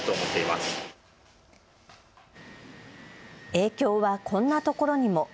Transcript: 影響はこんなところにも。